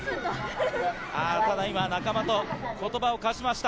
今、仲間と言葉を交わしました。